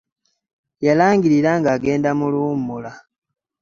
Yalangirira ng'agenda mu luwummula.